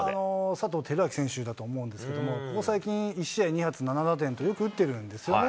佐藤輝明選手だと思うんですけど、ここ最近、１試合、７打点とよく打ってるんですよね。